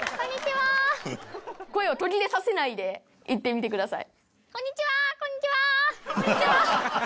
声を途切れさせないで言ってみてください。